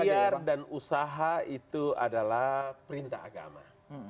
ikhtiar dan usaha itu adalah perintah agama